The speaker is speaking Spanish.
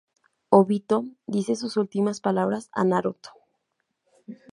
Obito dice sus últimas palabras a Naruto.